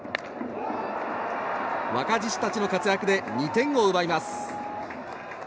若獅子たちの活躍で２点を奪います。